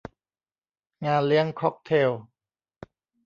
งานเลี้ยงค็อกเทล